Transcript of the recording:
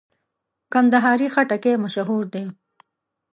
کندهاري خټکی مشهور دی.